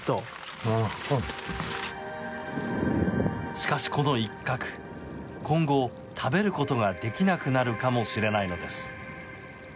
しかし、このイッカク今後、食べることができなくなるかもしれないのです。